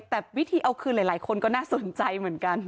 แต่วิธีเอาคืนหลายคนก็น่าสนใจเหมือนกัน